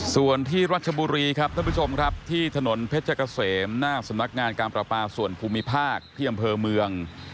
ส่วนที่รัชบุรีครับท่านผู้ชมครับที่ถนนเพชรเกษมหน้าสำนักงานการประปาส่วนภูมิภาคที่อำเภอเมือง